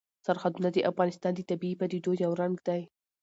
سرحدونه د افغانستان د طبیعي پدیدو یو رنګ دی.